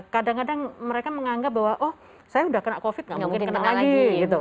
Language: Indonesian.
kadang kadang mereka menganggap bahwa oh saya udah kena covid nggak mungkin kena lagi gitu